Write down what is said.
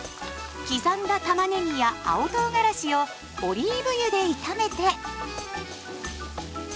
刻んだたまねぎや青とうがらしをオリーブ油で炒めて。